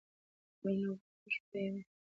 ګلونه ولې خوشبویه وي؟